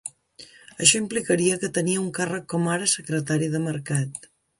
Això implicaria que tenia un càrrec com ara secretari de mercat.